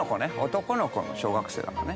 男の子の小学生だからね。